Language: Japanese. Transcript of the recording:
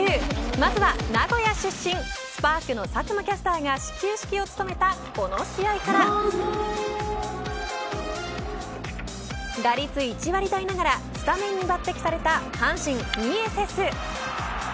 まずは名古屋出身Ｓ‐ＰＡＲＫの佐久間キャスターが始球式を務めたこの試合から打率１割台ながらスタメンに抜てきされた阪神、ミエセス。